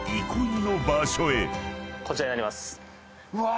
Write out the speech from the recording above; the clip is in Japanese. こちらになります。